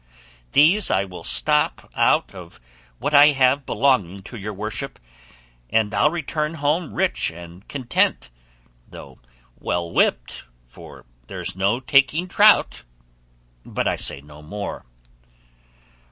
These I will stop out of what I have belonging to your worship, and I'll return home rich and content, though well whipped, for 'there's no taking trout' but I say no more."